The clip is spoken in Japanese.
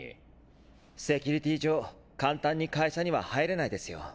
セキュリティー上簡単に会社には入れないですよ。